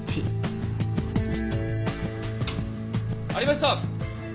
・ありました！